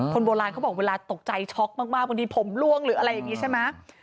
คนโบราณเขาบอกเวลาตกใจช็อกมากบางทีผมล่วงหรืออะไรอย่างนี้ใช่ไหม